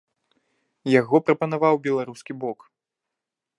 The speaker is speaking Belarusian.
Яго прапанаваў беларускі бок.